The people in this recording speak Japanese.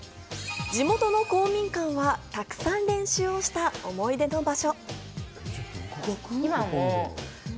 地元の公民館は、たくさん練習をした思い出の場所。